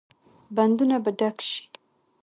بندونه به ډک شي؟